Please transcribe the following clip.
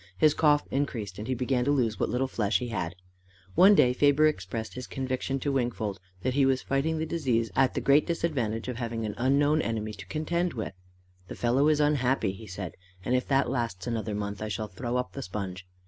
His cough increased, and he began to lose what little flesh he had. One day Faber expressed his conviction to Wingfold that he was fighting the disease at the great disadvantage of having an unknown enemy to contend with. "The fellow is unhappy," he said, "and if that lasts another month, I shall throw up the sponge.